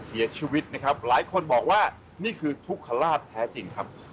เสียชีวิตนะครับหลายคนบอกว่านี่คือทุกขลาบแท้จริงครับ